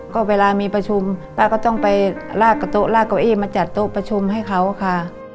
ก็เวลามีประชุมป้าก็ต้องไปลากกระโต๊ลากเก้าอี้มาจัดโต๊ะประชุมให้เขาค่ะ